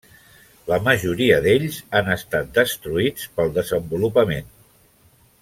La majoria d'ells han estat destruïts pel desenvolupament.